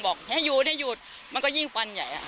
บอกให้หยุดให้หยุดมันก็ยิ่งฟันใหญ่